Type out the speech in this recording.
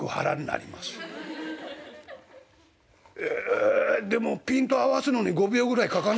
でもピント合わすのに５秒ぐらいかかんのよ」。